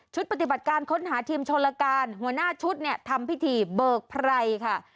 ปฏิบัติการค้นหาทีมชนละการหัวหน้าชุดเนี่ยทำพิธีเบิกไพรค่ะ